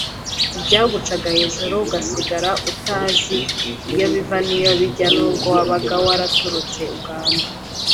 byagucaga hejuru ugasigara utazi iyo riva n’iyo rirengera n’ubwo wabaga waraturutse Uganda